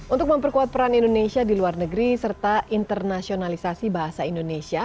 untuk memperkuat peran indonesia di luar negeri serta internasionalisasi bahasa indonesia